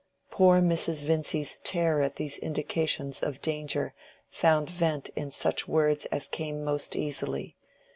Poor Mrs. Vincy's terror at these indications of danger found vent in such words as came most easily.